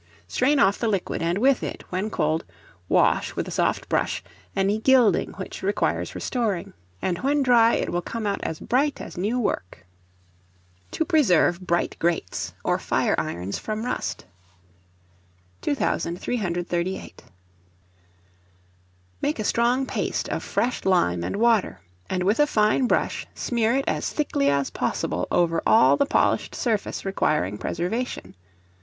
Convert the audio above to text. Strain off the liquid, and with it, when cold, wash, with a soft brush, any gilding which requires restoring, and when dry it will come out as bright as new work. To preserve bright Grates or Fire irons from Rust. 2338. Make a strong paste of fresh lime and water, and with a fine brush smear it as thickly as possible over all the polished surface requiring preservation.